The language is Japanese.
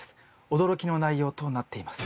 驚きの内容となっています。